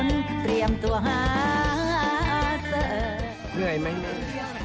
เหนื่อยไหมเนี่ย